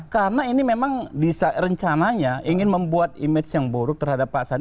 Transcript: karena ini memang rencananya ingin membuat image yang buruk terhadap pak sani